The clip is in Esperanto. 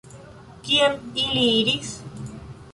Kien ili iris?